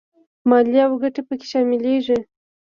مالیه او ګټې په کې شاملېږي